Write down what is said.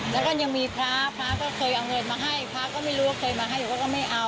แล้วก็ยังมีพระพระก็เคยเอาเงินมาให้พระก็ไม่รู้ว่าเคยมาให้เขาก็ไม่เอา